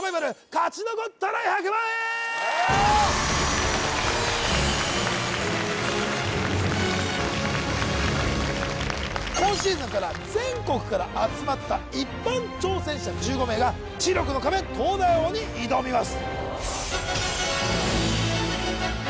勝ち残ったら１００万円今シーズンから全国から集まった一般挑戦者１５名が知力の壁東大王に挑みます